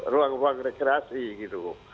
ruang ruang rekreasi gitu